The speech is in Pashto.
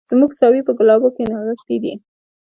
زموږ ساوي په ګلابو کي نغښتي دي